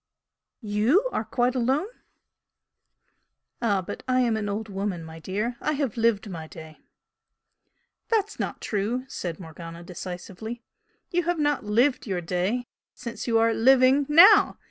"YOU are quite alone?" "Ah, but I am an old woman, my dear! I have lived my day!" "That's not true," said Morgana, decisively "You have not 'lived your day' since you are living NOW!